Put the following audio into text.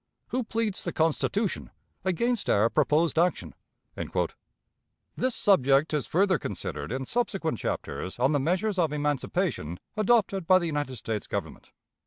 Who pleads the Constitution against our proposed action?" This subject is further considered in subsequent chapters on the measures of emancipation adopted by the United States Government.